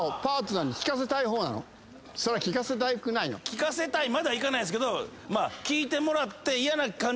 聞かせたいまではいかないですけど。